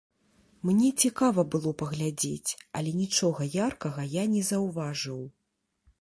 Мне цікава было паглядзець, але нічога яркага я не заўважыў.